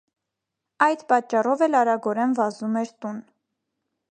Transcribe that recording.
Այդ պատճառով էլ արագորեն վազում էր տուն։